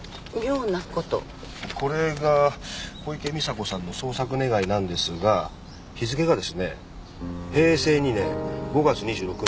これが小池美砂子さんの捜索願なんですが日付がですね「平成２年５月２６日」なんですよ。